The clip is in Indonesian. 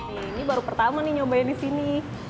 ini baru pertama nih nyobain di sini